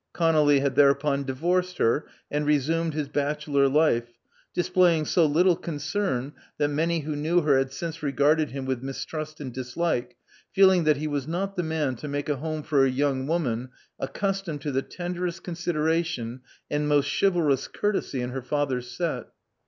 ConoUy had thereupon divorced her, and resumed his bachelor life, displaying so little concern, that many who knew her had since regarded him with mistrust and dislike, feel ing that he was not the man to make a home for a young woman accustomed to the tenderest considera tion and most chivalrous courtesy in her father's set.